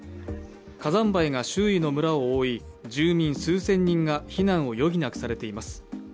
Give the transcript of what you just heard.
火山灰が周囲の村を覆い、住民数千人が避難を余儀なくされています。